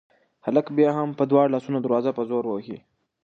هلک بیا هم په دواړو لاسونو دروازه په زور وهي.